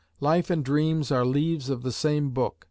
Life and dreams are leaves of the same book.